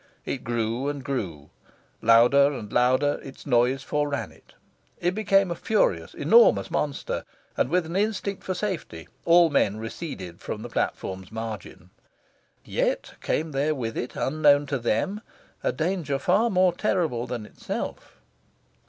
It grew and grew. Louder and louder, its noise foreran it. It became a furious, enormous monster, and, with an instinct for safety, all men receded from the platform's margin. (Yet came there with it, unknown to them, a danger far more terrible than itself.)